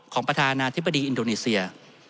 ประธานาธิบดีอินโดนีเซีย